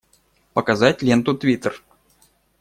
Показать ленту Твиттер!